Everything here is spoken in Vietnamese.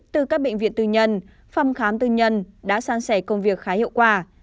từ các bệnh viện tư nhân phòng khám tư nhân đã san sẻ công việc khá hiệu quả